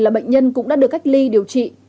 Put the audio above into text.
là bệnh nhân cũng đã được cách ly điều trị